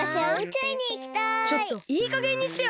ちょっといいかげんにしてよ！